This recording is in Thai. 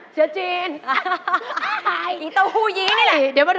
เชื้อจีน